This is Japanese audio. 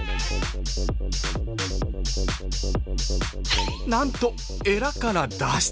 なんとエラから脱出！